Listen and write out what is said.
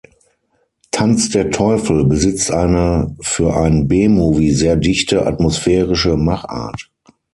Tanz der Teufel besitzt eine für ein B-Movie sehr dichte, atmosphärische Machart.